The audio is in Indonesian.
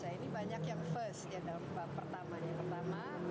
ini banyak yang first ya dalam pertama